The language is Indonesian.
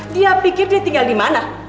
dia pikir dia tinggal di mana